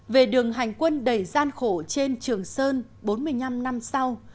về đường hành quân đầy gian khổ trên trường sơn bốn mươi năm năm sau